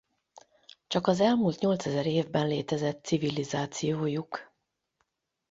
Csak az elmúlt nyolcezer évben létezett civilizációjuk.